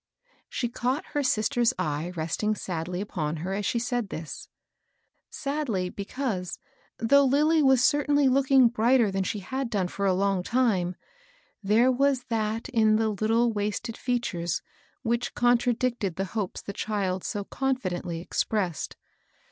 '* She caught h^ sister's eye resting sadly upon her as she said this, — sadly, because, though Lilly was certainly looking brighter than she had done for a long time, there was that in the little, wasted features which contradicted the hopes the child so confidently expressed.